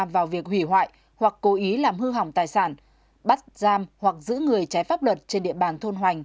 vào việc hủy hoại hoặc cố ý làm hư hỏng tài sản bắt giam hoặc giữ người trái pháp luật trên địa bàn thôn hoành